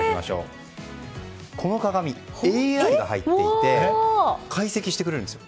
この鏡、ＡＩが入っていて解析してくれるんですよ。